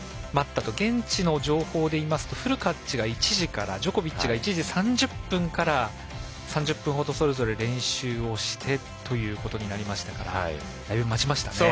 現地の情報で言いますとフルカッチが１時からジョコビッチが１時３０分から３０分程、それぞれ練習をしてとなりましたからだいぶ待ちましたね。